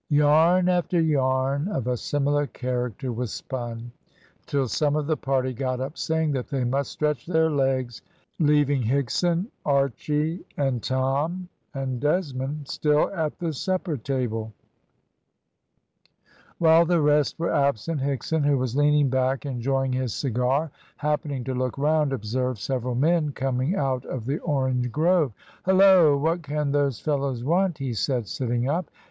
Yarn after yarn of a similar character was spun, till some of the party got up saying, that they must stretch their legs, and off they strolled along the shore to collect anything to be found, leaving Higson, Archy, and Tom, and Desmond still at the supper table. While the rest were absent, Higson, who was leaning back enjoying his cigar, happening to look round, observed several men coming out of the orange grove. "Hillo! what can those fellows want?" he said, sitting up.